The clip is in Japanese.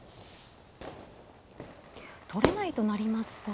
取れないとなりますと。